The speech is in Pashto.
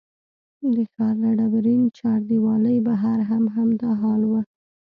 د ښار له ډبرین چاردیوالۍ بهر هم همدا حال و.